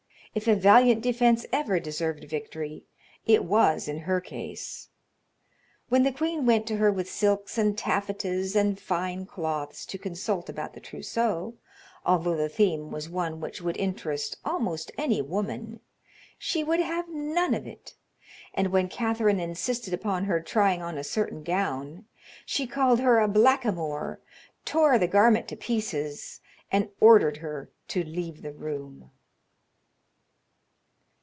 If a valiant defense ever deserved victory, it was in her case. When the queen went to her with silks and taffetas and fine cloths, to consult about the trousseau, although the theme was one which would interest almost any woman, she would have none of it, and when Catherine insisted upon her trying on a certain gown, she called her a blackamoor, tore the garment to pieces, and ordered her to leave the room.